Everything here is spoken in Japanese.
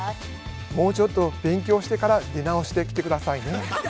もうちょっと勉強してから出直してきて下さいね。